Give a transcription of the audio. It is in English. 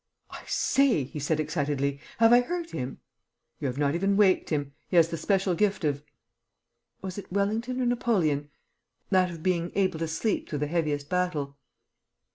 "I say," he said excitedly, "have I hurt him?" "You have not even waked him. He has the special gift of was it Wellington or Napoleon? that of being able to sleep through the heaviest battle."